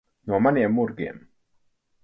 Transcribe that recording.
No maniem murgiem.